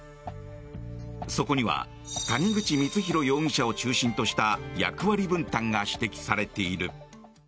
そこには谷口光弘容疑者を中心とした役割分担が指摘されている。